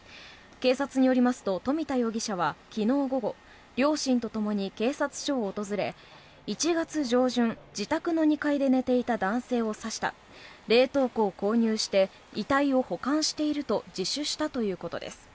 警察によりますと富田容疑者は昨日午後両親とともに警察署を訪れ１月上旬、自宅の２階で寝ていた男性を刺した冷凍庫を購入して遺体を保管していると自首したということです。